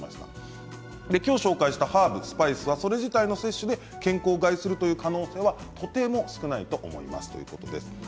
今日紹介したハーブやスパイスはそれ自体の摂取で健康を害するという可能性はとても少ないと思いますということです。